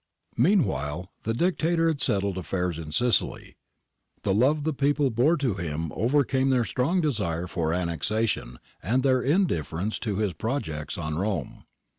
'"' Meanwhile, the Dictator had settled affairs in Sicily. The love the people bore to him overcame their strong desire for annexation and their indifference to his pro jects on Rome.